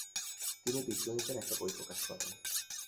তিনি বীজগণিতের একটি বই প্রকাশ করেন।